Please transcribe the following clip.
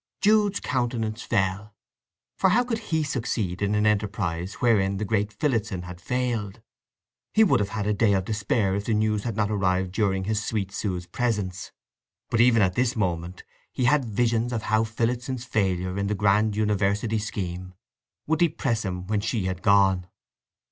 Jude's countenance fell, for how could he succeed in an enterprise wherein the great Phillotson had failed? He would have had a day of despair if the news had not arrived during his sweet Sue's presence, but even at this moment he had visions of how Phillotson's failure in the grand university scheme would depress him when she had gone.